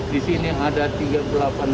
di sini ada tiga puluh delapan ribu ton